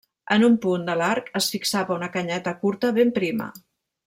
En un punt de l'arc es fixava una canyeta curta ben prima.